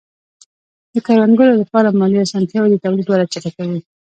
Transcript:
د کروندګرو لپاره مالي آسانتیاوې د تولید وده چټکوي.